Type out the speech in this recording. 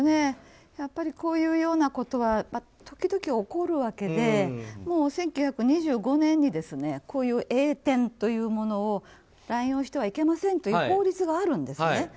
こういうようなことは時々起こるわけで１９２５年にこういう栄典というものを濫用してはいけませんよという法律があるんですね。